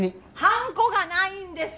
はんこがないんです！